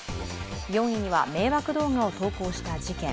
４位には迷惑動画を投稿した事件。